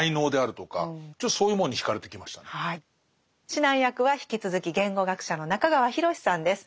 指南役は引き続き言語学者の中川裕さんです。